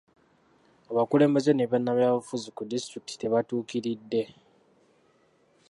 Abakulembeze ne bannabyabufuzi ku disitulikiti tebatuukiridde.